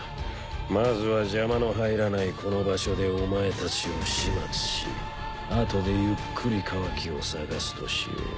まずは邪魔の入らないこの場所でお前たちを始末しあとでゆっくりカワキを捜すとしよう。